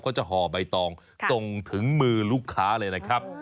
จะห่อใบตองส่งถึงมือลูกค้าเลยนะครับ